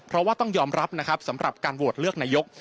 เพราะว่าต้องยอมรับนะครับสำหรับการโหวตเลือกนายก